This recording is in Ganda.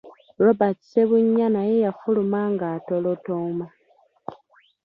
Robert Ssebunya naye yafuluma ng’atolotooma.